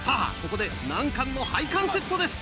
ここで難関の配管セットです。